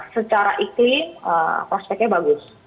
secara iklim prospeknya bagus